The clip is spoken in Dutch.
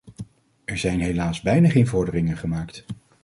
Er zijn helaas bijna geen vorderingen gemaakt.